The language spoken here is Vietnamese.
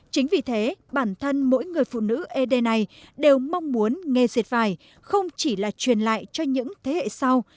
chính vì thế bản thân mỗi người phụ nữ ấy đê này đều mong muốn nghề diệt vải không chỉ là truyền lại cho những thế hệ sau